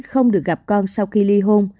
không được gặp con sau khi ly hôn